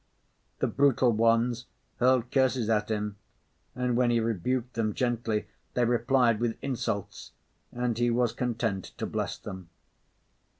The brutal ones hurled curses at him, and when he rebuked them gently they replied with insults, and he was content to bless them.